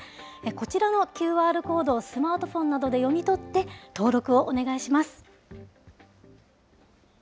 こちらのＱＲコードをスマートフォンなどで読み取って登録をお願いします。